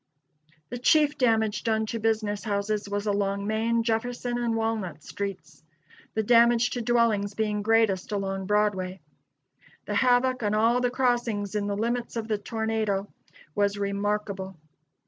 The chief damage done to business houses was along Main, Jefferson and Walnut streets; the damage to dwellings being greatest along Broadway. The havoc on all the crossings in the limits of the tornado was remarkable.